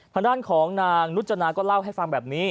ทางด้านของนางนุจนาก็เล่าให้ฟังแบบนี้